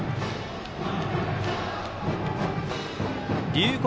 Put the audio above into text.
龍谷